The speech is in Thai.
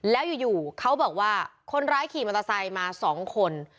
แล้วอยู่เขาบอกว่าคนร้ายขี่มอเตอร์ไซค์มา๒คน